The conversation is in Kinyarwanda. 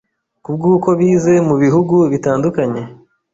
kubwukobize mubihugu bitandukanye